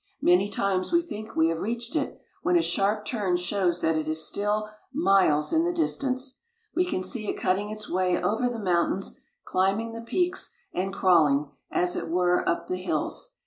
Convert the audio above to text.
Many times we think we have reached it, when a sharp turn shows that it is still miles in the distance. We can see it cutting its way over the mountains, climbing the peaks and crawling, as it were, up the hills.